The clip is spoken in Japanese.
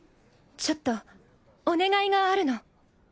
ちょっとお願いがあるの。